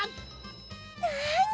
なに？